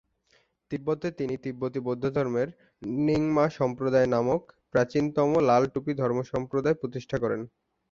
তিব্বতে তিনি তিব্বতী বৌদ্ধধর্মের র্ন্যিং মা সম্প্রদায় নামক প্রাচীনতম লাল টুপি ধর্মসম্প্রদায় প্রতিষ্ঠা করেন।